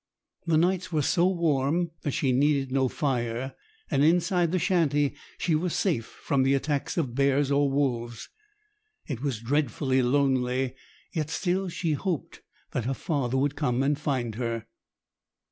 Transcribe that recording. The nights were so warm that she needed no fire, and inside the shanty she was safe from the attacks of bears or wolves. It was dreadfully lonely, yet still she hoped that her father would come and find her.